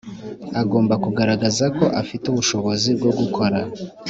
agomba kugaragazako afite ubushobozi bwo gukora